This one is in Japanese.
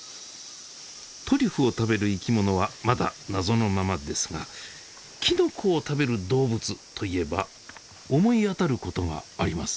トリュフを食べる生きものはまだ謎のままですがきのこを食べる動物といえば思い当たることがあります。